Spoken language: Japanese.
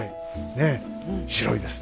ねえ白いですね。